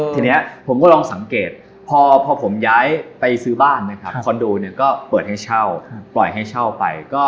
ทีนี้ผมก็ลองสังเกตพอผมย้ายไปซื้อบ้านนะครับคอนโดเนี่ยก็เปิดให้เช่าปล่อยให้เช่าไป